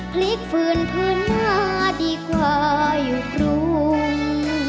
พลิกฝืนพื้นมาดีกว่าอยู่กรุง